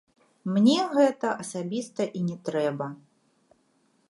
Мне гэта асабіста і не трэба.